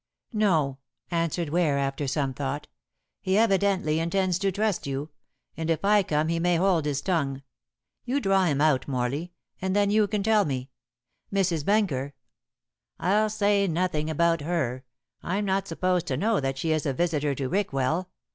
"No," answered Ware after some thought, "he evidently intends to trust you, and if I come he may hold his tongue. You draw him out, Morley, and then you can tell me. Mrs. Benker " "I'll say nothing about her. I am not supposed to know that she is a visitor to Rickwell.